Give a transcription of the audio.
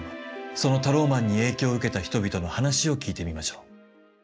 そのタローマンに影響を受けた人々の話を聞いてみましょう。